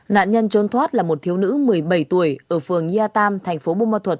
nạn nhân trốn thoát là một thiếu nữ một mươi bảy tuổi ở phường nghia tam thành phố bô ma thuận